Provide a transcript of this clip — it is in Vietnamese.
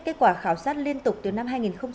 kết quả khảo sát liên tục từ năm hai nghìn một mươi tám